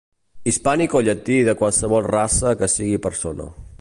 Hispànic o llati de qualsevol raça que sigui persona.